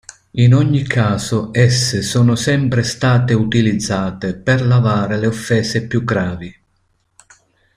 In ogni caso esse sono sempre state utilizzate per lavare le offese più gravi.